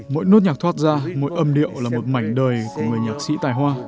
mỗi nốt nhạc thoát ra mỗi âm điệu là một mảnh đời của người nhạc sĩ tài hoa